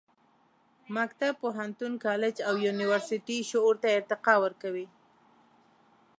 مکتب، پوهنتون، کالج او یونیورسټي شعور ته ارتقا ورکوي.